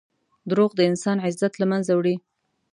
دروغ د انسان عزت له منځه وړي.